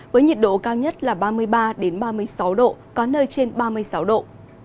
với nhiệt độ cao nhất là ba mươi ba ba mươi sáu độ có nơi trên ba mươi sáu độ